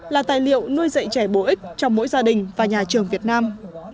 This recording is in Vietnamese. là tài liệu nuôi dạy trẻ bổ ích trong mỗi gia đình và nhà trường việt nam